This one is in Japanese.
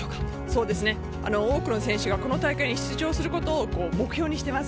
多くの選手がこの大会に出場することを目標にしています。